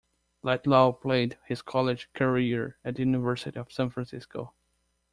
Letlow played his college career at the University of San Francisco.